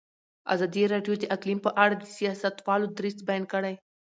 ازادي راډیو د اقلیم په اړه د سیاستوالو دریځ بیان کړی.